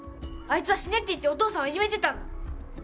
あいつは「死ね」って言ってお父さんをいじめてたんだ！